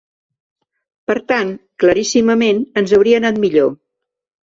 Per tant, claríssimament ens hauria anat millor.